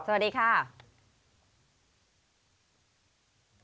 สวัสดีครับ